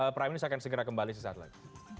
prime news akan segera kembali sesaat lagi